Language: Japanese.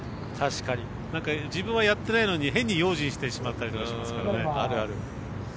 自分はやってないのに変に用心してしまったりとかしますからね。